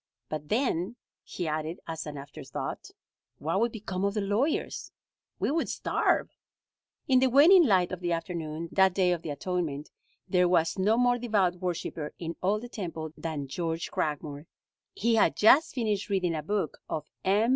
But then," he added as an after thought, "what would become of the lawyers? We would starve." In the waning light of the afternoon, that Day of the Atonement, there was no more devout worshiper in all the temple than George Cragmore. He had just finished reading a book of M.